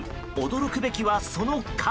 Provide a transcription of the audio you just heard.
驚くべきは、その数。